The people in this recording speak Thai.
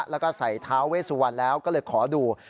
แล้วก็ใส่ท้าเวสุวรรณแล้วก็เลยขอดู